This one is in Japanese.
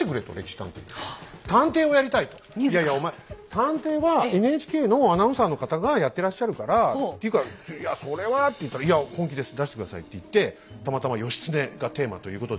「いやいやお前探偵はＮＨＫのアナウンサーの方がやってらっしゃるからていうかいやそれは」って言ったら「いや本気です出して下さい」って言ってたまたま「義経」がテーマということで。